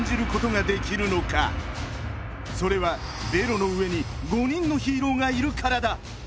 それはベロのうえに５にんのヒーローがいるからだ！